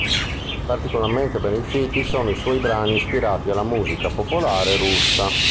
Particolarmente ben riusciti sono i suoi brani ispirati alla musica popolare russa.